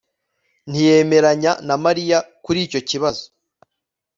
ntiyemeranya na mariya kuri icyo kibazo